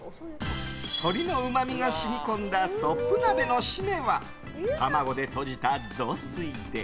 鶏のうまみが染み込んだそっぷ鍋の締めは卵でとじた雑炊で。